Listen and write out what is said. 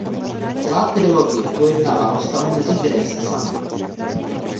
Celá trilogie pojednává o vztahu mezi Grace a Samem.